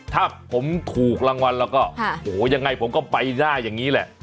ถ้าผมถูกรางวัลแล้วก็โอ้โหยังไงผมก็ไปหน้าอย่างนี้แหละ